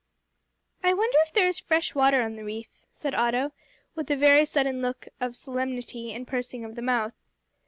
"I wonder if there is fresh water on the reef," said Otto, with a very sudden look of solemnity and pursing of the mouth.